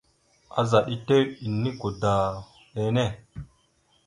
Azaɗ etew enikwada enne.